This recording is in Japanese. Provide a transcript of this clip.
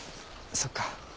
そっか。